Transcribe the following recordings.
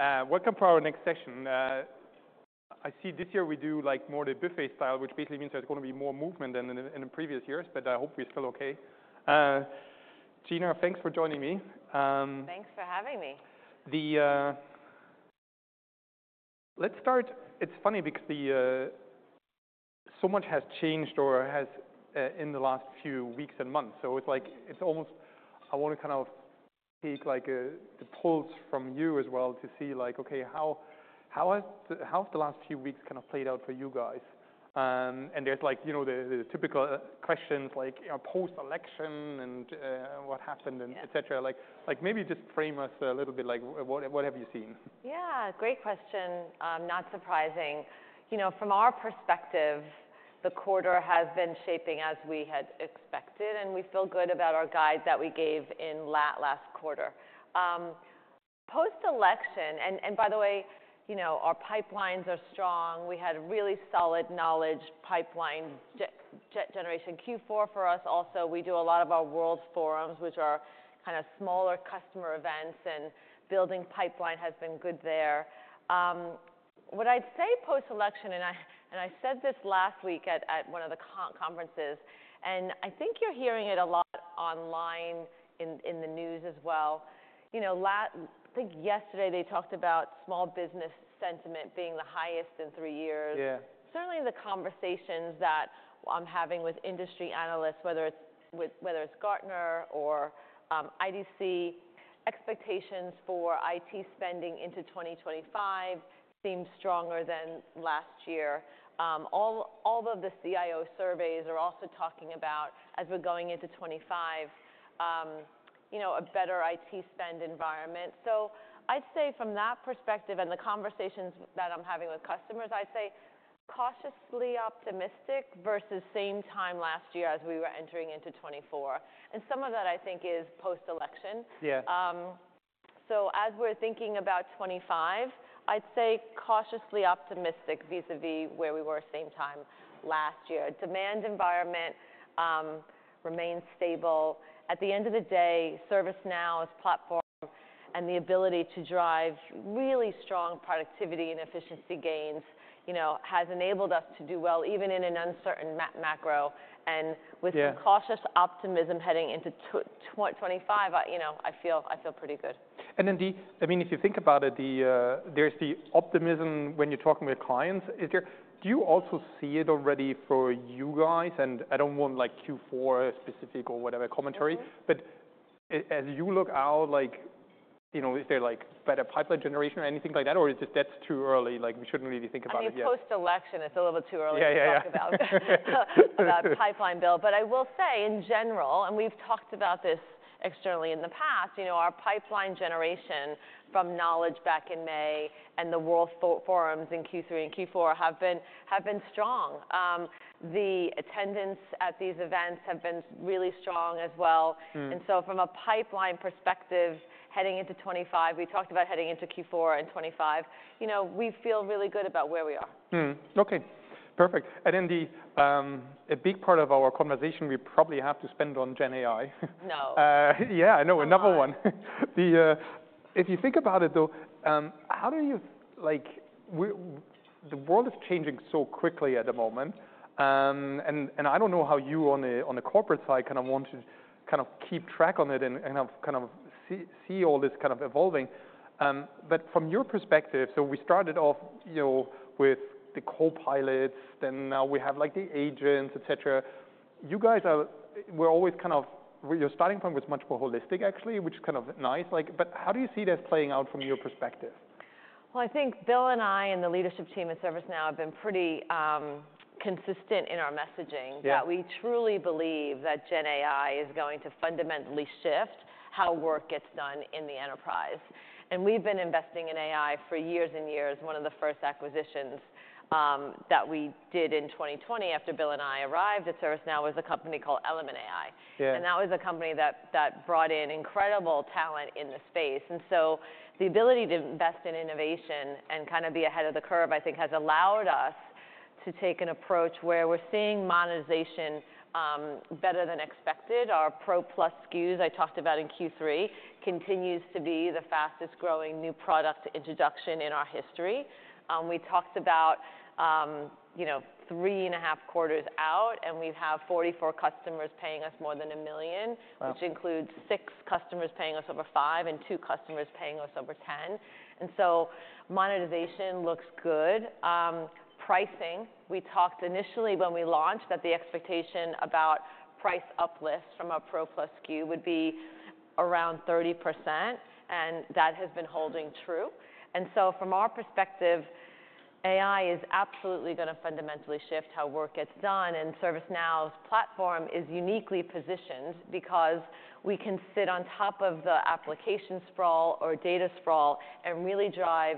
Welcome to our next session. I see this year we do, like, more the buffet style, which basically means there's going to be more movement than in the previous years, but I hope we're still okay. Gina, thanks for joining me. Thanks for having me. Let's start. It's funny because so much has changed in the last few weeks and months. So it's like, almost, I want to kind of take, like, the pulse from you as well to see, like, okay, how has... how's the last few weeks kind of played out for you guys? And there's, like, you know, the typical questions, like, post-election and what happened and etc. Yeah. Like, maybe just frame us a little bit, like, what have you seen? Yeah. Great question. Not surprising. You know, from our perspective, the quarter has been shaping as we had expected, and we feel good about our guide that we gave in last quarter. Post-election and, by the way, you know, our pipelines are strong. We had really solid new logo pipeline generation Q4 for us also. We do a lot of our World Forums, which are kind of smaller customer events, and building pipeline has been good there. What I'd say post-election and I said this last week at one of the conferences, and I think you're hearing it a lot online in the news as well. You know, I think yesterday they talked about small business sentiment being the highest in three years. Yeah. Certainly the conversations that I'm having with industry analysts, whether it's Gartner or IDC, expectations for IT spending into 2025 seem stronger than last year. All of the CIO surveys are also talking about, as we're going into 2025, you know, a better IT spend environment. So I'd say from that perspective and the conversations that I'm having with customers, I'd say cautiously optimistic versus same time last year as we were entering into 2024. And some of that I think is post-election. Yeah. So as we're thinking about 2025, I'd say cautiously optimistic vis-à-vis where we were same time last year. Demand environment remains stable. At the end of the day, ServiceNow's platform and the ability to drive really strong productivity and efficiency gains, you know, has enabled us to do well even in an uncertain macro. And with the cautious optimism heading into 2025, you know, I feel pretty good. And then, I mean, if you think about it, there's the optimism when you're talking with clients. Is there, do you also see it already for you guys? And I don't want, like, Q4 specific or whatever commentary. Yeah. But as you look out, like, you know, is there, like, better pipeline generation or anything like that, or is it that's too early? Like, we shouldn't really think about it yet? I mean, post-election, it's a little bit too early to talk about. Yeah, yeah, yeah. The pipeline build, but I will say, in general, and we've talked about this externally in the past. You know, our pipeline generation from Knowledge back in May and the World Forums in Q3 and Q4 have been strong. The attendance at these events have been really strong as well, and so from a pipeline perspective, heading into 2025 we talked about heading into Q4 and 2025. You know, we feel really good about where we are. Okay. Perfect. And then a big part of our conversation we probably have to spend on GenAI. No. Yeah. I know. Another one. If you think about it, though, how do you like, where the world is changing so quickly at the moment. And I don't know how you on the corporate side kind of want to keep track on it and kind of see all this kind of evolving. But from your perspective, so we started off, you know, with the copilots, then now we have, like, the agents, etc. You guys, we're always kind of your starting point was much more holistic, actually, which is kind of nice. Like, but how do you see this playing out from your perspective? I think Bill and I and the leadership team at ServiceNow have been pretty consistent in our messaging. Yeah. That we truly believe that GenAI is going to fundamentally shift how work gets done in the enterprise, and we've been investing in AI for years and years. One of the first acquisitions that we did in 2020 after Bill and I arrived at ServiceNow was a company called Element AI. Yeah. That was a company that brought in incredible talent in the space. The ability to invest in innovation and kind of be ahead of the curve, I think, has allowed us to take an approach where we're seeing monetization better than expected. Our Pro Plus SKUs I talked about in Q3 continues to be the fastest-growing new product introduction in our history. We talked about, you know, three and a half quarters out, and we have 44 customers paying us more than $1 million. Wow. Which includes six customers paying us over five and two customers paying us over 10, and so monetization looks good. Pricing. We talked initially when we launched that the expectation about price uplifts from our Pro Plus SKU would be around 30%, and that has been holding true, and so from our perspective, AI is absolutely going to fundamentally shift how work gets done, and ServiceNow's platform is uniquely positioned because we can sit on top of the application sprawl or data sprawl and really drive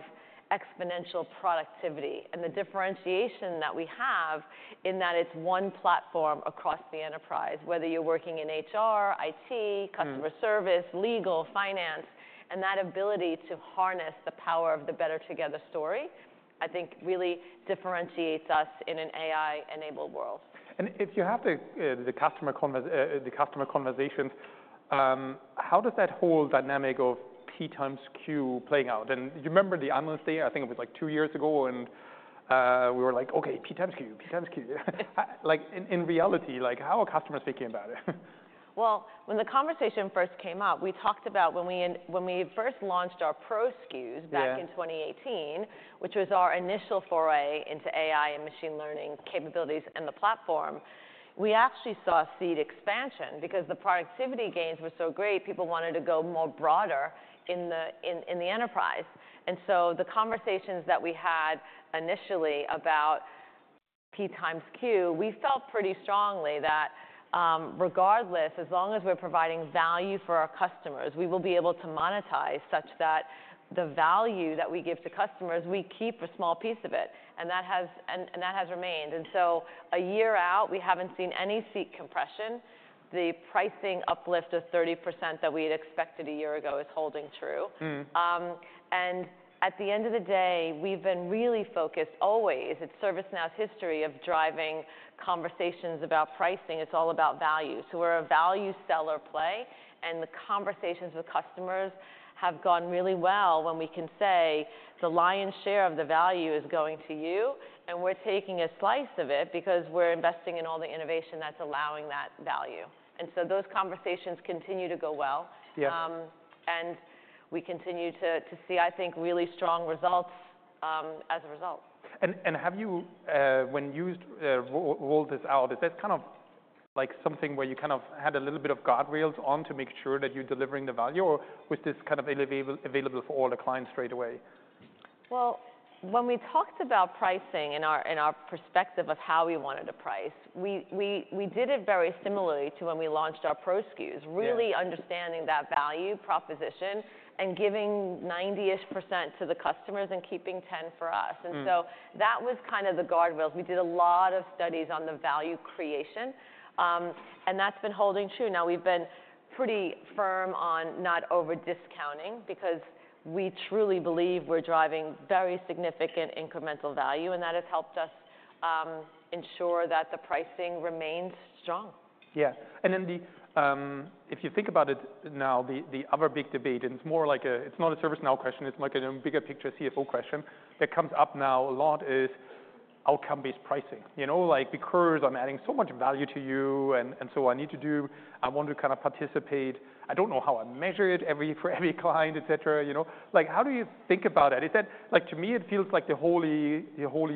exponential productivity, and the differentiation that we have in that it's one platform across the enterprise, whether you're working in HR, IT, Customer Service, Legal, Finance, and that ability to harness the power of the better-together story, I think really differentiates us in an AI-enabled world. If you have the customer conversations, how does that whole dynamic of P times Q playing out? You remember the analyst day? I think it was, like, two years ago, and we were like, "Okay. P times Q. P times Q." Like, in reality, like, how are customers thinking about it? When the conversation first came up, we talked about when we first launched our Pro SKUs. Yeah. Back in 2018, which was our initial foray into AI and machine learning capabilities and the platform, we actually saw suite expansion because the productivity gains were so great. People wanted to go more broader in the enterprise. And so the conversations that we had initially about P times Q, we felt pretty strongly that, regardless, as long as we're providing value for our customers, we will be able to monetize such that the value that we give to customers, we keep a small piece of it. And that has remained. And so a year out, we haven't seen any seat compression. The pricing uplift of 30% that we had expected a year ago is holding true. And at the end of the day, we've been really focused always. It's ServiceNow's history of driving conversations about pricing. It's all about value. We're a value seller play, and the conversations with customers have gone really well when we can say, "The lion's share of the value is going to you, and we're taking a slice of it because we're investing in all the innovation that's allowing that value." And so those conversations continue to go well. Yeah. And we continue to see, I think, really strong results as a result. And have you, when you used to work this out, is that kind of, like, something where you kind of had a little bit of guardrails on to make sure that you're delivering the value, or was this kind of available for all the clients straight away? When we talked about pricing in our perspective of how we wanted to price, we did it very similarly to when we launched our Pro SKUs. Really understanding that value proposition and giving 90-ish percent to the customers and keeping 10 for us. So that was kind of the guardrails. We did a lot of studies on the value creation, and that's been holding true. Now, we've been pretty firm on not over-discounting because we truly believe we're driving very significant incremental value, and that has helped us ensure that the pricing remains strong. Yeah. Then, if you think about it now, the other big debate, and it's more like, it's not a ServiceNow question. It's like a bigger picture CFO question that comes up a lot now: outcome-based pricing. You know, like, "Because I'm adding so much value to you, and so I need to do I want to kind of participate. I don't know how I measure it for every client, etc." You know? Like, how do you think about it? Is that like, to me, it feels like the holy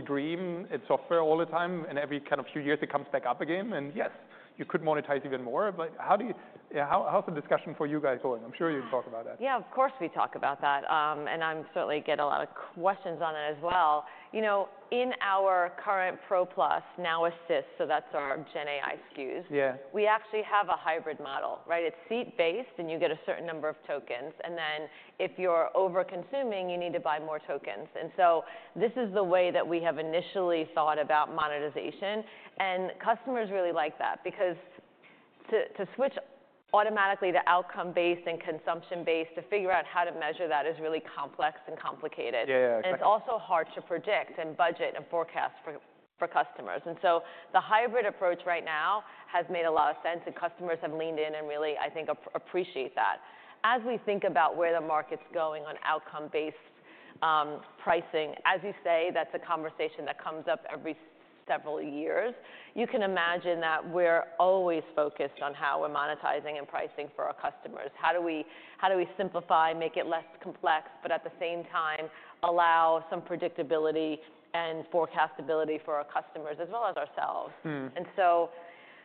dream. It's offered all the time, and every kind of few years it comes back up again. And yes, you could monetize even more, but how do you yeah. How's the discussion for you guys going? I'm sure you can talk about that. Yeah. Of course, we talk about that, and I'm certainly get a lot of questions on it as well. You know, in our current Pro Plus Now Assist, so that's our GenAI SKUs. Yeah. We actually have a hybrid model, right? It's seat-based, and you get a certain number of tokens. And then if you're over-consuming, you need to buy more tokens. And so this is the way that we have initially thought about monetization. And customers really like that because to switch automatically to outcome-based and consumption-based to figure out how to measure that is really complex and complicated. Yeah. It's also hard to predict and budget and forecast for customers. So the hybrid approach right now has made a lot of sense, and customers have leaned in and really, I think, appreciate that. As we think about where the market's going on outcome-based pricing, as you say, that's a conversation that comes up every several years. You can imagine that we're always focused on how we're monetizing and pricing for our customers. How do we simplify, make it less complex, but at the same time allow some predictability and forecastability for our customers as well as ourselves? So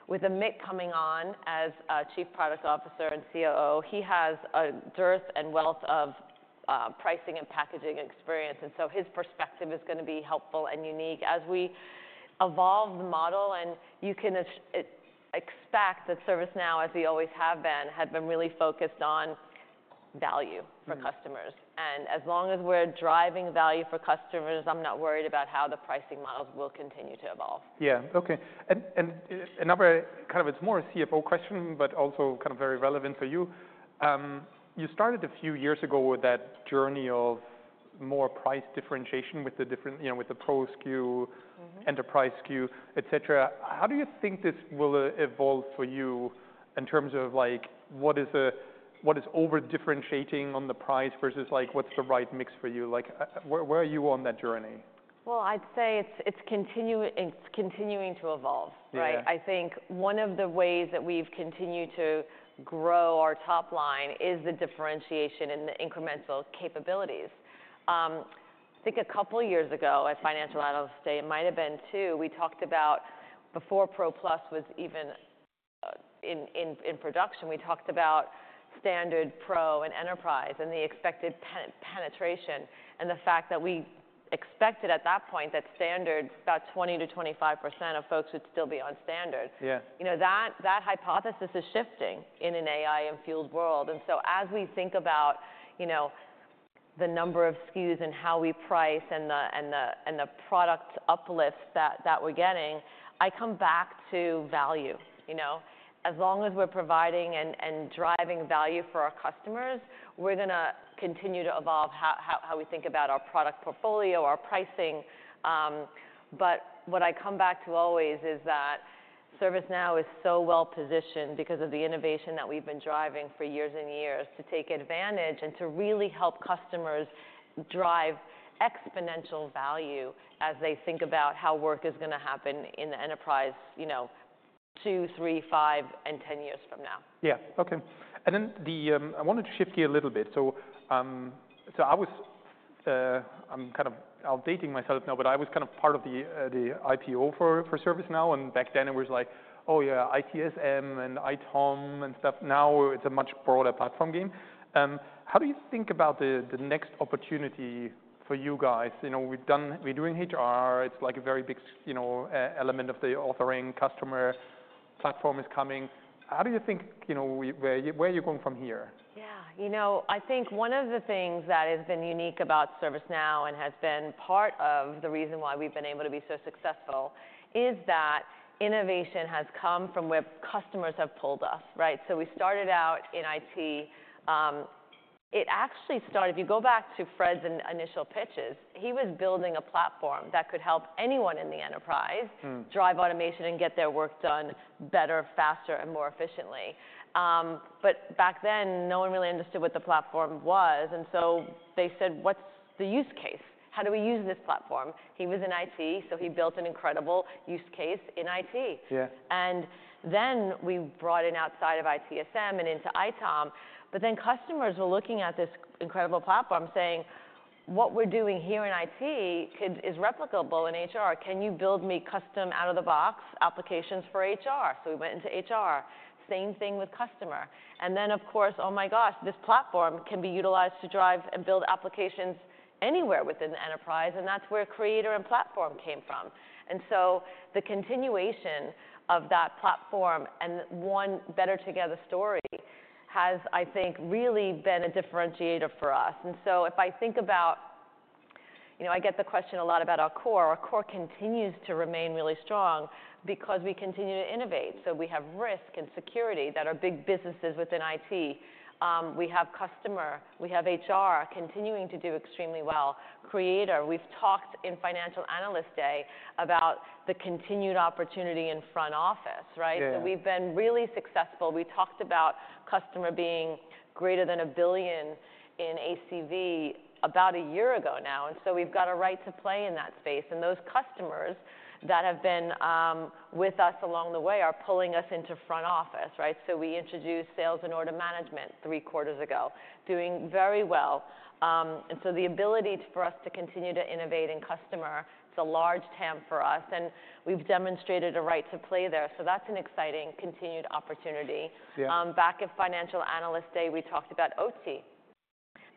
with Amit coming on as Chief Product Officer and COO, he has a depth and wealth of pricing and packaging experience. So his perspective is going to be helpful and unique as we evolve the model. You can expect that ServiceNow, as we always have been, had been really focused on value for customers. As long as we're driving value for customers, I'm not worried about how the pricing models will continue to evolve. Yeah. Okay. And a number of kind of it's more a CFO question, but also kind of very relevant to you. You started a few years ago with that journey of more price differentiation with the different you know, with the Pro SKU. Mm-hmm. Enterprise SKU, etc. How do you think this will evolve for you in terms of, like, what is over-differentiating on the price versus, like, what's the right mix for you? Like, where are you on that journey? I'd say it's continuing to evolve, right? Yeah. I think one of the ways that we've continued to grow our top line is the differentiation and the incremental capabilities. I think a couple of years ago at Financial Analyst Day, it might have been two, we talked about before Pro Plus was even in production, we talked about Standard, Pro, and Enterprise and the expected penetration and the fact that we expected at that point that Standard, about 20%-25% of folks would still be on Standard. Yeah. You know, that hypothesis is shifting in an AI-infused world. And so as we think about, you know, the number of SKUs and how we price and the product uplifts that we're getting, I come back to value. You know, as long as we're providing and driving value for our customers, we're going to continue to evolve how we think about our product portfolio, our pricing, but what I come back to always is that ServiceNow is so well-positioned because of the innovation that we've been driving for years and years to take advantage and to really help customers drive exponential value as they think about how work is going to happen in the enterprise, you know, two, three, five, and 10 years from now. Yeah. Okay. And then, I wanted to shift gears a little bit. So, I was. I'm kind of dating myself now, but I was kind of part of the IPO for ServiceNow. And back then it was like, "Oh, yeah. ITSM and ITOM and stuff." Now it's a much broader platform game. How do you think about the next opportunity for you guys? You know, we've done. We're doing HR. It's like a very big, you know, element of the authoring customer platform is coming. How do you think, you know, where are you going from here? Yeah. You know, I think one of the things that has been unique about ServiceNow and has been part of the reason why we've been able to be so successful is that innovation has come from where customers have pulled us, right? So we started out in IT. It actually started if you go back to Fred's initial pitches; he was building a platform that could help anyone in the enterprise drive automation and get their work done better, faster, and more efficiently. But back then, no one really understood what the platform was. And so they said, "What's the use case? How do we use this platform?" He was in IT, so he built an incredible use case in IT. Yeah. And then we brought in outside of ITSM and into ITOM. But then customers were looking at this incredible platform saying, "What we're doing here in IT could be replicable in HR. Can you build me custom out-of-the-box applications for HR?" So we went into HR. Same thing with customer. And then, of course, "Oh my gosh, this platform can be utilized to drive and build applications anywhere within the enterprise." And that's where Creator and Platform came from. And so the continuation of that platform and one better-together story has, I think, really been a differentiator for us. And so if I think about, you know, I get the question a lot about our core. Our core continues to remain really strong because we continue to innovate. So we have Risk and Security that are big businesses within IT. We have customer. We have HR continuing to do extremely well. Creator. We've talked in Financial Analyst Day about the continued opportunity in front office, right? Yeah. So we've been really successful. We talked about customer being greater than a billion in ACV about a year ago now, and so we've got a right to play in that space, and those customers that have been with us along the way are pulling us into front office, right? So we introduced Sales and Order Management three quarters ago, doing very well, and so the ability for us to continue to innovate in customer. It's a large TAM for us, and we've demonstrated a right to play there, so that's an exciting continued opportunity. Yeah. Back at Financial Analyst Day, we talked about OT.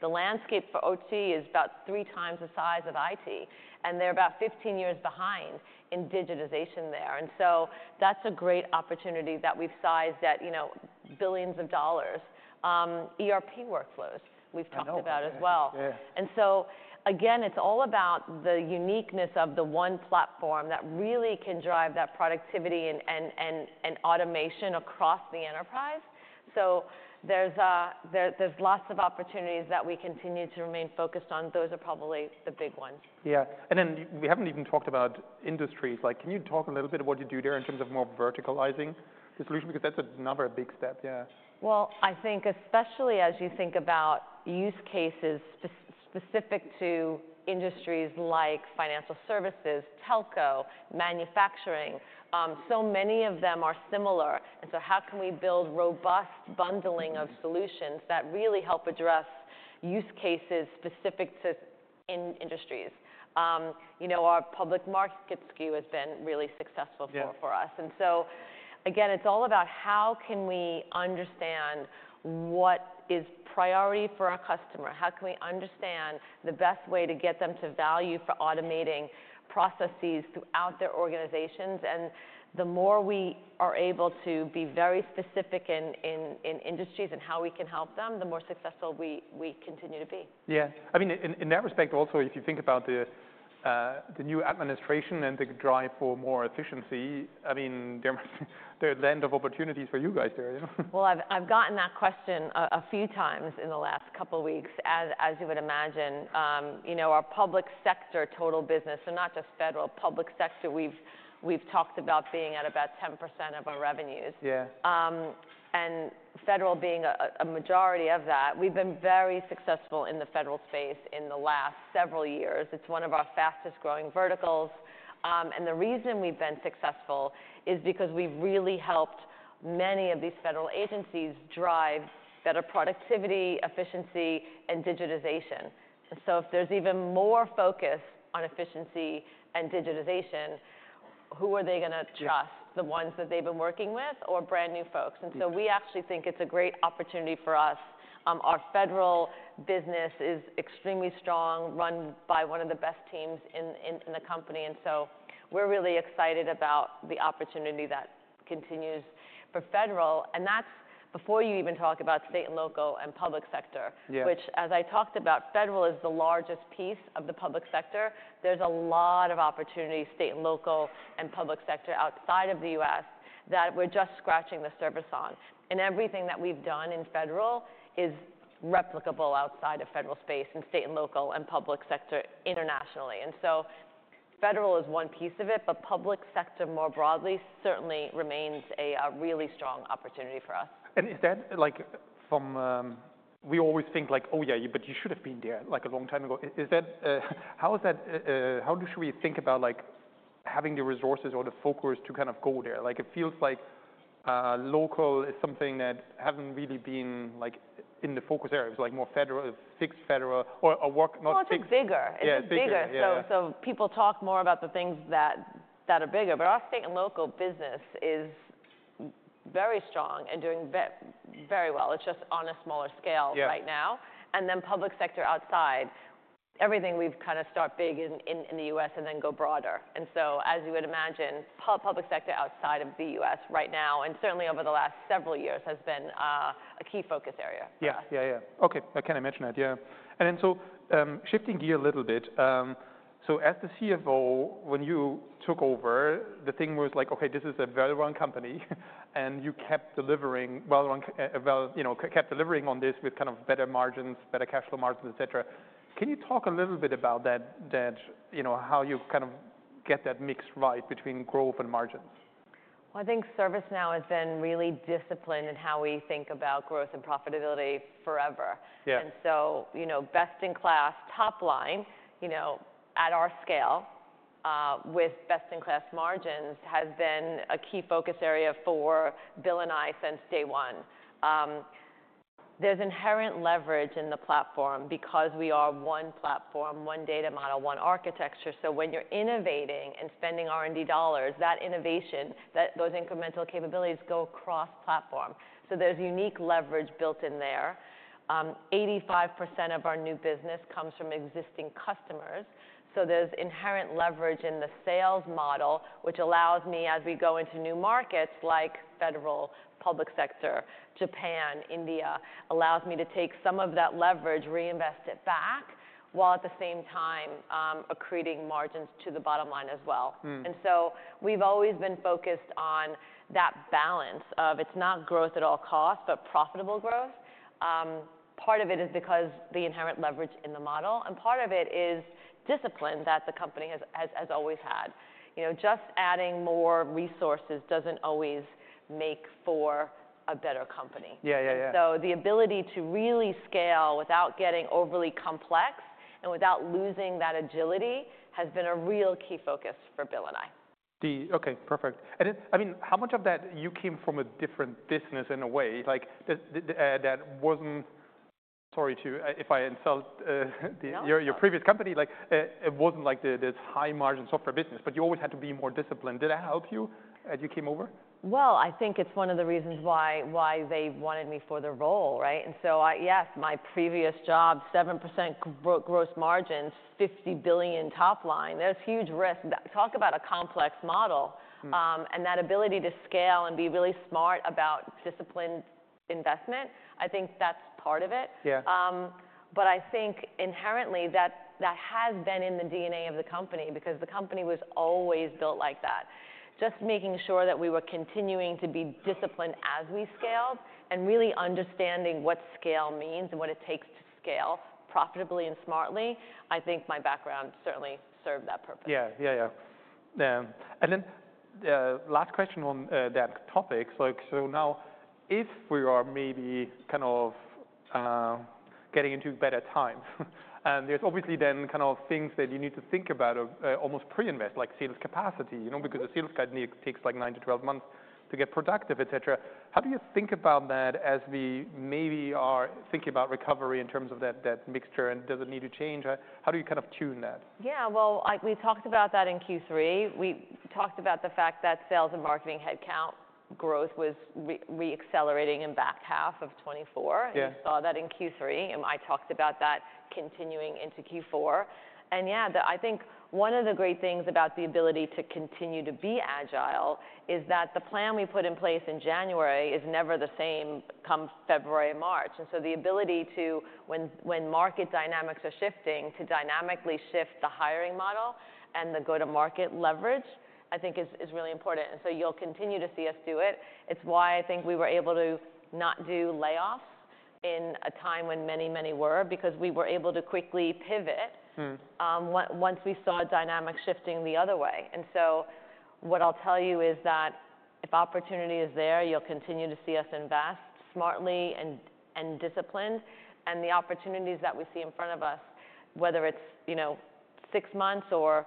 The landscape for OT is about three times the size of IT, and they're about 15 years behind in digitization there, and so that's a great opportunity that we've sized at, you know, billions of dollars. ERP workflows we've talked about as well. Oh, yeah. Yeah. And so, again, it's all about the uniqueness of the one platform that really can drive that productivity and automation across the enterprise. So there's lots of opportunities that we continue to remain focused on. Those are probably the big ones. Yeah, and then we haven't even talked about industries. Like, can you talk a little bit of what you do there in terms of more verticalizing the solution? Because that's another big step. Yeah. I think especially as you think about use cases specific to industries like financial services, telco, manufacturing, so many of them are similar, and so how can we build robust bundling of solutions that really help address use cases specific to industries? You know, our public market SKU has been really successful for. Yeah. For us, and so again, it's all about how can we understand what is priority for our customer? How can we understand the best way to get them to value for automating processes throughout their organizations? The more we are able to be very specific in industries and how we can help them, the more successful we continue to be. Yeah. I mean, in that respect, also, if you think about the new administration and the drive for more efficiency, I mean, there must be, there's a land of opportunities for you guys there, you know? I've gotten that question a few times in the last couple of weeks, as you would imagine. You know, our public sector total business, so not just federal, public sector, we've talked about being at about 10% of our revenues. Yeah. And federal being a majority of that, we've been very successful in the federal space in the last several years. It's one of our fastest-growing verticals. And the reason we've been successful is because we've really helped many of these federal agencies drive better productivity, efficiency, and digitization. And so if there's even more focus on efficiency and digitization, who are they going to trust? Yeah. The ones that they've been working with or brand-new folks? Yeah. And so we actually think it's a great opportunity for us. Our federal business is extremely strong, run by one of the best teams in the company. And so we're really excited about the opportunity that continues for federal. And that's before you even talk about state and local and public sector. Yeah. Which, as I talked about, federal is the largest piece of the public sector. There's a lot of opportunity, state and local and public sector outside of the U.S., that we're just scratching the surface on. And everything that we've done in federal is replicable outside of federal space and state and local and public sector internationally. And so federal is one piece of it, but public sector more broadly certainly remains a really strong opportunity for us. And is that, like, from? We always think, like, "Oh, yeah. But you should have been there, like, a long time ago." Is that, how is that, how should we think about, like, having the resources or the focus to kind of go there? Like, it feels like local is something that hasn't really been, like, in the focus areas, like more federal, fixed federal or, or work not fixed. It's bigger. Yeah. It's bigger. Yeah. So people talk more about the things that are bigger. But our state and local business is very strong and doing very well. It's just on a smaller scale. Yeah. Right now. Yeah. Then public sector outside everything we've kind of start big in the U.S. and then go broader. So, as you would imagine, public sector outside of the U.S. right now and certainly over the last several years has been a key focus area. Yeah. Okay. I can imagine that. Yeah. And then, so, shifting gear a little bit, so as the CFO, when you took over, the thing was like, "Okay. This is a well-run company." And you kept delivering well-run, well, you know, kept delivering on this with kind of better margins, better cash flow margins, etc. Can you talk a little bit about that, you know, how you kind of get that mix right between growth and margins? I think ServiceNow has been really disciplined in how we think about growth and profitability forever. Yeah. And so, you know, best in class, top line, you know, at our scale, with best in class margins has been a key focus area for Bill and I since day one. There's inherent leverage in the platform because we are one platform, one data model, one architecture. So when you're innovating and spending R&D dollars, that innovation, that those incremental capabilities go across platform. So there's unique leverage built in there. 85% of our new business comes from existing customers. So there's inherent leverage in the sales model, which allows me, as we go into new markets like federal, public sector, Japan, India, allows me to take some of that leverage, reinvest it back, while at the same time, accreting margins to the bottom line as well. And so we've always been focused on that balance of it's not growth at all cost, but profitable growth. Part of it is because the inherent leverage in the model, and part of it is discipline that the company has always had. You know, just adding more resources doesn't always make for a better company. Yeah. Yeah. Yeah. And so the ability to really scale without getting overly complex and without losing that agility has been a real key focus for Bill and I. Okay. Perfect. And then, I mean, how much of that you came from a different business in a way, like, that wasn't sorry to, if I insult, your previous company. Like, it wasn't like this high-margin software business, but you always had to be more disciplined. Did that help you as you came over? I think it's one of the reasons why, why they wanted me for the role, right, and so I, yes, my previous job, 7% gross margins, $50 billion top line. There's huge risk. Talk about a complex model, and that ability to scale and be really smart about disciplined investment. I think that's part of it. Yeah. But I think inherently that has been in the DNA of the company because the company was always built like that. Just making sure that we were continuing to be disciplined as we scaled and really understanding what scale means and what it takes to scale profitably and smartly, I think my background certainly served that purpose. Yeah. And then, last question on that topic. So now, if we are maybe kind of getting into better times, and there's obviously then kind of things that you need to think about, almost pre-invest, like sales capacity, you know, because a sales guy needs like nine to 12 months to get productive, etc. How do you think about that as we maybe are thinking about recovery in terms of that, that mixture and does it need to change? How do you kind of tune that? Yeah. Well, we talked about that in Q3. We talked about the fact that sales and marketing headcount growth was reaccelerating in back half of 2024. Yeah. And you saw that in Q3. And I talked about that continuing into Q4. And yeah, I think one of the great things about the ability to continue to be agile is that the plan we put in place in January is never the same come February and March. And so the ability to, when market dynamics are shifting, to dynamically shift the hiring model and the go-to-market leverage, I think is really important. And so you'll continue to see us do it. It's why I think we were able to not do layoffs in a time when many, many were because we were able to quickly pivot once we saw dynamics shifting the other way. And so what I'll tell you is that if opportunity is there, you'll continue to see us invest smartly and disciplined. The opportunities that we see in front of us, whether it's, you know, six months or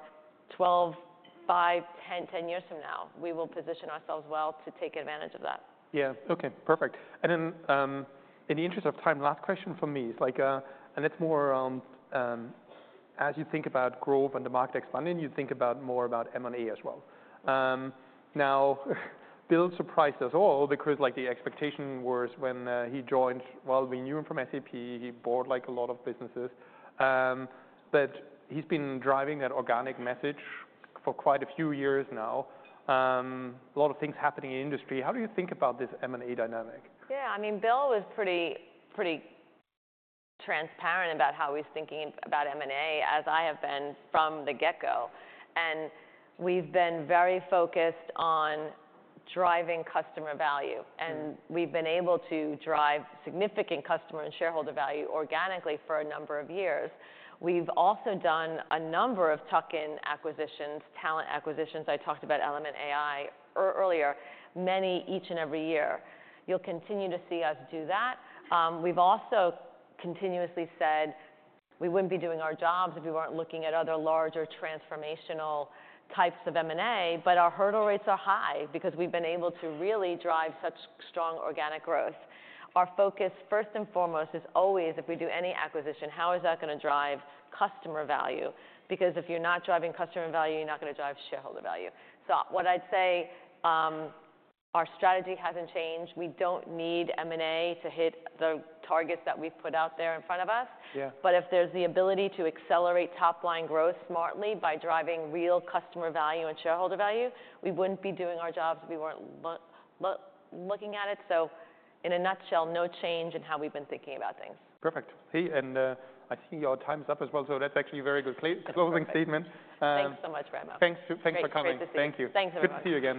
12, five, 10, 10 years from now, we will position ourselves well to take advantage of that. Yeah. Okay. Perfect. And then, in the interest of time, last question for me is like, and it's more, as you think about growth and the market expanding, you think about more about M&A as well. Now, Bill surprised us all because, like, the expectation was when he joined, well, we knew him from SAP. He bought, like, a lot of businesses. But he's been driving that organic message for quite a few years now. A lot of things happening in industry. How do you think about this M&A dynamic? Yeah. I mean, Bill was pretty, pretty transparent about how he's thinking about M&A, as I have been from the get-go. And we've been very focused on driving customer value. And we've been able to drive significant customer and shareholder value organically for a number of years. We've also done a number of tuck-in acquisitions, talent acquisitions. I talked about Element AI earlier, many each and every year. You'll continue to see us do that. We've also continuously said we wouldn't be doing our jobs if we weren't looking at other larger transformational types of M&A, but our hurdle rates are high because we've been able to really drive such strong organic growth. Our focus, first and foremost, is always, if we do any acquisition, how is that going to drive customer value? Because if you're not driving customer value, you're not going to drive shareholder value.nWhat I'd say, our strategy hasn't changed. We don't need M&A to hit the targets that we've put out there in front of us. Yeah. But if there's the ability to accelerate top-line growth smartly by driving real customer value and shareholder value, we wouldn't be doing our jobs if we weren't looking at it. So in a nutshell, no change in how we've been thinking about things. Perfect. Hey, and I see your time's up as well. So that's actually a very good closing statement. Thanks so much, Raimo. Thanks for coming. Appreciate the suggestion. Thank you. Thanks very much. Good to see you again.